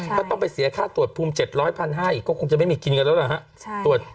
ถ้าต้องไปเสียค่าตรวจภูมิ๗๐๐ให้ก็คงจะไม่มีกินกันแล้วล่ะฮะ